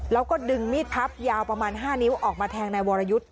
แล้วก็ดึงมีดพับยาวประมาณ๕นิ้วออกมาแทงนายวรยุทธ์